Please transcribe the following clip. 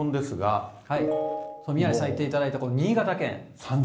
宮根さん、言っていただいた、新潟県。